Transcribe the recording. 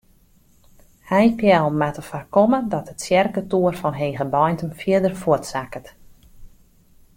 Heipeallen moatte foarkomme dat de tsjerketoer fan Hegebeintum fierder fuortsakket.